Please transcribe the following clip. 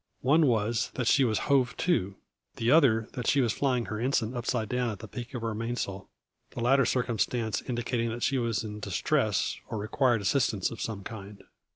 One was, that she was hove to; the other, that she was flying her ensign upside down at the peak of her mainsail, the latter circumstance indicating that she was in distress or required assistance of some kind.